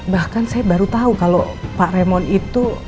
bahkan saya baru tahu kalau pak remon itu